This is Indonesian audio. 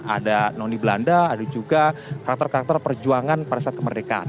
ada noni belanda ada juga karakter karakter perjuangan pada saat kemerdekaan